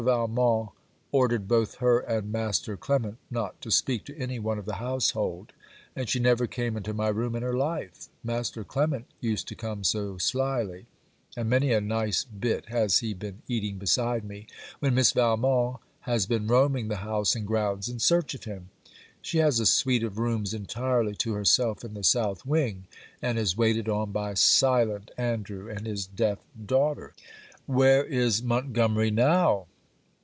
Valmont ordered both her and Master Clement not to speak to any one of the household, and she never came into my room in her life. Master Clement used to come so slily! and many a nice bit has he been eating beside me, when Miss Valmont has been roaming the house and grounds in search of him! She has a suite of rooms entirely to herself in the south wing, and is waited on by silent Andrew and his deaf daughter ' 'Where is Montgomery now?'